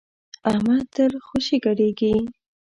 احمد تل خوشی ګډېږي.